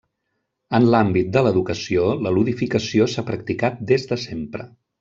En l'àmbit de l'educació, la ludificació s'ha practicat des de sempre.